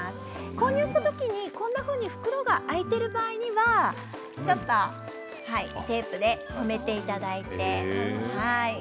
購入した時にこんなふうに袋が開いてる場合にはちょっとテープで留めていただいて。